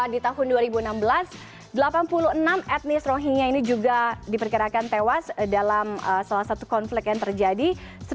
di tahun dua ribu enam belas delapan puluh enam etnis rohingya ini juga diperkirakan tewas dalam salah satu konflik yang terjadi